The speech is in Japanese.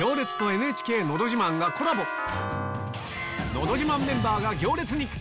『のど自慢』メンバーが『行列』に！